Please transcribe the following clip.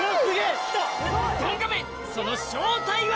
ドンガメその正体は？